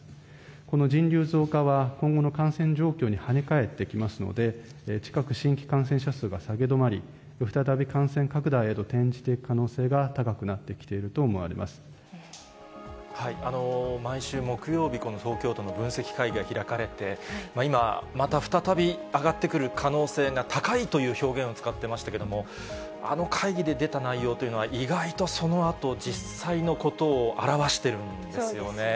この人流増加は今後の感染状況に跳ね返ってきますので、近く新規感染者数が下げ止まり、再び感染拡大へと転じていく可能性が高くなってきていると思われ毎週木曜日、この東京都の分析会議が開かれて、今、また再び上がってくる可能性が高いという表現を使ってましたけれども、あの会議で出た内容というのは意外とそのあと、実際のことを表してるんですよね。